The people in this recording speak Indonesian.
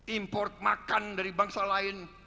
import makan dari bangsa lain